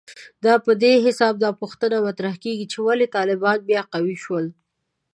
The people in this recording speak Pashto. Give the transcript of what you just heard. په دې حساب دا پوښتنه مطرحېږي چې ولې طالبان بیا قوي شول